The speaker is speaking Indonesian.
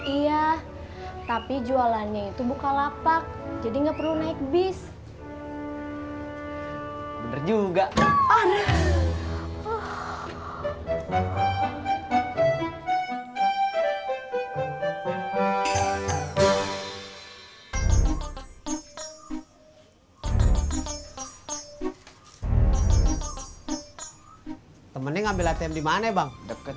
iya tapi jualannya itu bukalapak jadi nggak perlu naik bis